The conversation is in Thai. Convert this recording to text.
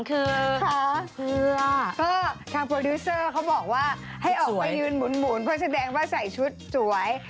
คือทางโปรดิวเซอร์เขาบอกว่าให้ออกไปยืนหมุนเพราะแสดงว่าใส่ชุดสวย